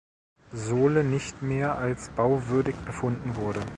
Sohle nicht mehr als bauwürdig befunden wurde.